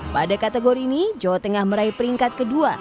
pada kategori ini jawa tengah meraih peringkat kedua